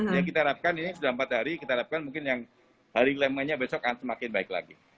ya kita harapkan ini sudah empat hari kita harapkan mungkin yang hari lemahnya besok akan semakin baik lagi